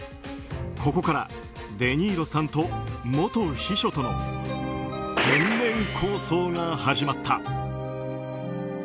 ここからデ・ニーロさんと元秘書との全面抗争が始まった。